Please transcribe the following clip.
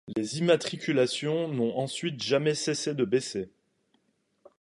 Les immatriculations n'ont ensuite jamais cessé de baisser.